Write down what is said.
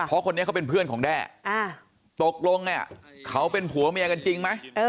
เพราะคนนี้เขาเป็นเพื่อนของแด้ตกลงเนี่ยเขาเป็นผัวเมียกันจริงไหม